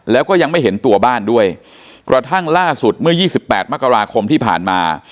แล้วก็ยังไม่เห็นตัวบ้านด้วยกระทั่งล่าสุดเมื่อ๒๘มกราคมที่ผ่านมา